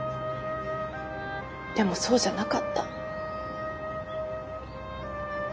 でもそうじゃなかった。